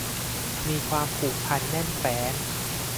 มีความผูกพันแน่นแฟ้น